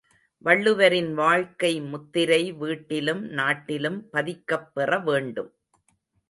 வள்ளுவரின் வாழ்க்கை முத்திரை வீட்டிலும் நாட்டிலும் பதிக்கப்பெற வேண்டும்.